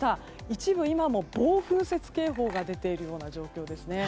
一部、今も暴風雪警報が出ているような状況ですね。